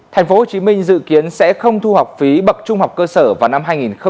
tp hcm dự kiến sẽ không thu học phí bậc trung học cơ sở vào năm hai nghìn hai mươi